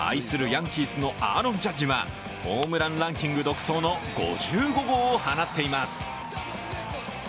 ヤンキースのアーロン・ジャッジはホームランランキング独走の５５号を放っています。